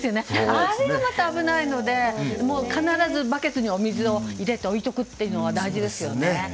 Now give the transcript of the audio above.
これがまた危ないので必ずバケツにお水を入れて置いておくことが大事ですよね。